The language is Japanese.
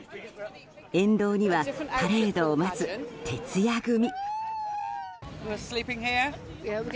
沿道にはパレードを待つ徹夜組。